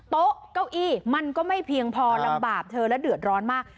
โต๊ะเก้าอี้มันก็ไม่เพียงพอลำบากเธอและเดือดร้อนมาก